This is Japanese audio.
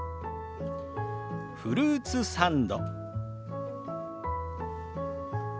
「フルーツサンド」。